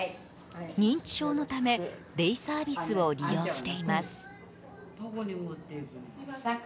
認知症のためデイサービスを利用しています。